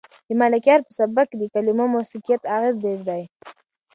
د ملکیار په سبک کې د کلمو د موسیقیت اغېز ډېر دی.